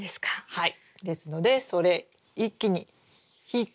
はい。